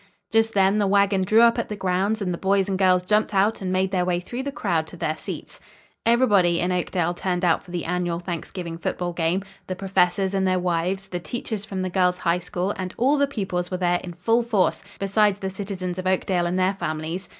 Just then the wagon drew up at the grounds and the boys and girls jumped out and made their way through the crowd to their seats. Everybody in Oakdale turned out for the annual Thanksgiving football game. The professors and their wives, the teachers from the Girls' High School and all the pupils were there in full force, besides the citizens of Oakdale and their families.